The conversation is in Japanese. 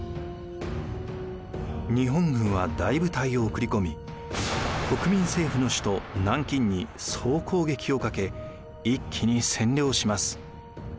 日本軍は大部隊を送り込み国民政府の首都・南京に総攻撃をかけ一気に占領します。